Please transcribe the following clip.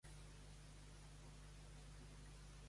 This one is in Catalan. Grècia torna a les urnes amb eufòria amb Syriza.